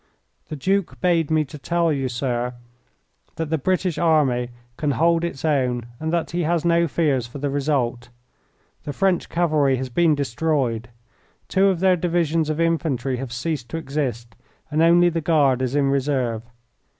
"The Duke bade me to tell you, sir, that the British Army can hold its own and that he has no fears for the result. The French cavalry has been destroyed, two of their divisions of infantry have ceased to exist, and only the Guard is in reserve.